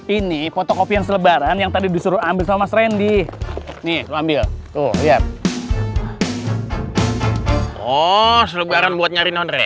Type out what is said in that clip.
ini fotokopi yang tadi disuruh ambil sama mas randy